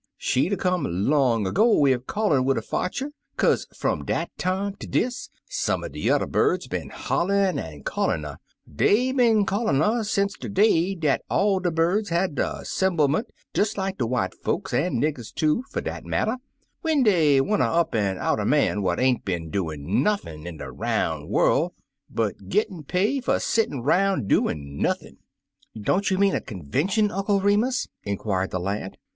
She'd 'a' come long ago ef callin' would 'a' fotch 'er, kaze, fum dat time ter dis, some er de yuther birds been hollin' an' callin' 'en Dey been callin' 'er sence de day dat all de birds had der semblement des like white folks, an' niggers, too, fer dat matter, when dey wanter up an' out a man what ain't been doin' nothin' in de roun* worl' but gittin' pay fer settin' 'roun' doin' nothin'." "Don't you mean a convention, Uncle 133 Uncle Remus Returns Remus?'* inquired the lad.